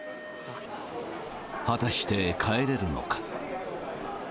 果たして帰れるのか。